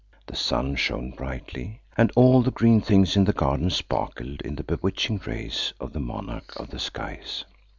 The sun shone brightly, and all the green things in the garden sparkled in the bewitching rays of the monarch of the skies.